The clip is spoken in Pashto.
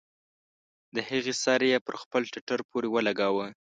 د هغې سر يې پر خپل ټټر پورې ولګاوه.